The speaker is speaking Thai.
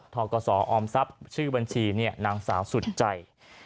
ทกศออมทรัพย์ชื่อบัญชีนางสาวสุดใจ